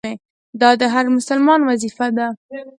دا د هر مسلمان وظیفه ده.